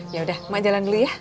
ya udah mah jalan dulu ya